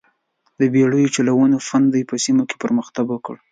د بېړیو چلونې فن په دې سیمو کې پرمختګ وکړ.